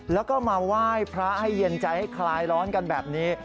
แล้วก็มาไหว้พระให้เย็นใจให้คลายร้อนกันแบบนี้